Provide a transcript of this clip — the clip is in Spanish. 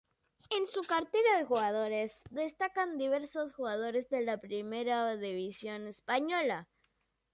En su cartera de jugadores destacan diversos jugadores de primera división española.